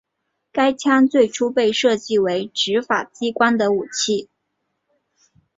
该枪最初被设计为执法机关的武器。